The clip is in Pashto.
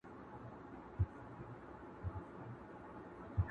او د ټولنې پر ضمير اوږد سيوری پرېږدي،